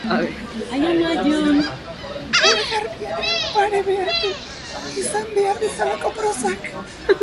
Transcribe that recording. Ur garbiaren pare behar du izan behar bezalako prosak